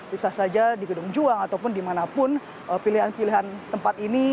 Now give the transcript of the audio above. bisa saja di gedung juang ataupun dimanapun pilihan pilihan tempat ini